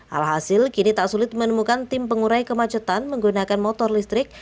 alhasil kini tak sulit menemukan tim pengurai kemacetan menggunakan motor listrik